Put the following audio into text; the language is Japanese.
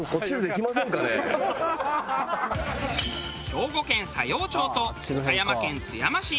兵庫県佐用町と岡山県津山市。